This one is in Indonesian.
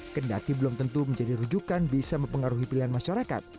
kendati belum tentu menjadi rujukan bisa mempengaruhi pilihan masyarakat